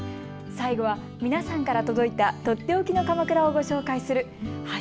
最後は皆さんから届いたとっておきの鎌倉をご紹介する＃